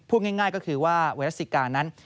พูดง่ายก็คือว่าเวลาไข้ซิกานั้น